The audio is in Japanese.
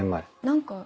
何か。